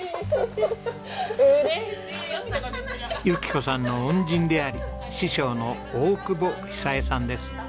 由紀子さんの恩人であり師匠の大久保久江さんです。